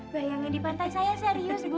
bayangin di pantai saya serius ibu